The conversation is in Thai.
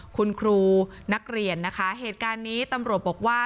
คุณครูนักเรียนนะคะเหตุการณ์นี้ตำรวจบอกว่า